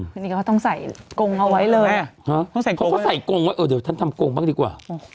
ทีนี้ก็ต้องใส่กงเอาไว้เลยเขาก็ใส่กงว่าเออเดี๋ยวท่านทำกงบ้างดีกว่า